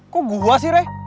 kok gue sih rey